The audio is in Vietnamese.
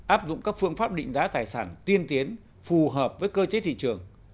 áp dụng các phương pháp định đá tài sản tiên tiến phù hợp với cơ chế thị trường